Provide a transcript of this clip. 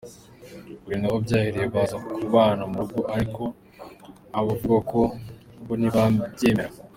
Ngo ni naho byahereye baza kubana mu rugo, ariko abavugwa bo ntibabyemera.